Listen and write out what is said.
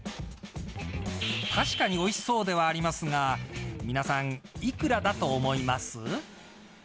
確かにおいしそうではありますが皆さん、幾らだと思います。